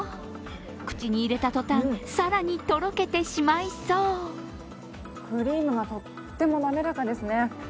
口に入れた途端、さらにとろけてしまいそうクリームがとっても滑らかですね。